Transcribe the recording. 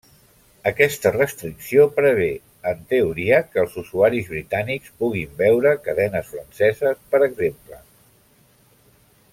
Aquesta restricció prevé, en teoria, que els usuaris britànics puguin veure cadenes franceses, per exemple.